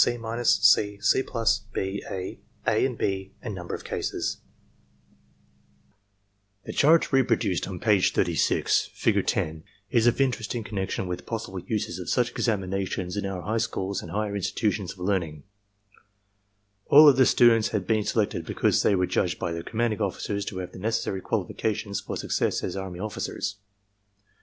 2 91.4 92.3 94.1 95.9 1,342 730 607 410 The chart reproduced on page 36 (figure 10) is of interest in connection with possible uses of such examinations in our high schools and higher institutions of learning. All of the students had been selected because they were judged by their commanding officers to have the necessary qualifications for success as army ofiicers.